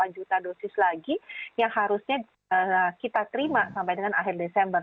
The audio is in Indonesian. lima juta dosis lagi yang harusnya kita terima sampai dengan akhir desember